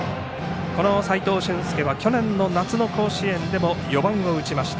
この齋藤舜介は去年の夏の甲子園でも４番を打ちました。